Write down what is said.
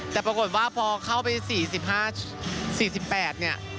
แต่ปรากฏว่าพอเข้าไป๔๘เนี่ย